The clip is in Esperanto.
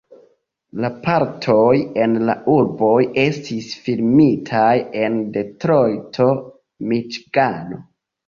La partoj en la urboj estis filmitaj en Detrojto, Miĉigano.